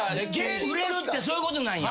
売れるってそういうことなんや。